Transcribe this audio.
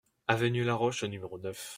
Avenue Laroche au numéro neuf